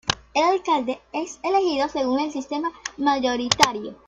El alcalde es elegido según el sistema mayoritario.